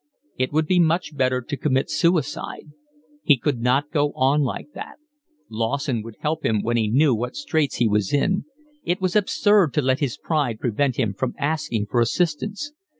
It would be much better to commit suicide. He could not go on like that: Lawson would help him when he knew what straits he was in; it was absurd to let his pride prevent him from asking for assistance.